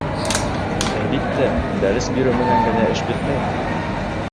— Әлбиттә, дәрес биреү менән генә эш бөтмәй.